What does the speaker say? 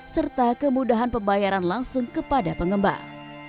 serta kemudahan pembayaran langsung kepada pengembang